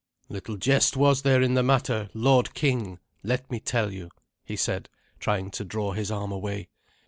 "Little jest was there in the matter, lord king, let me tell you," he said, trying to draw his arm away.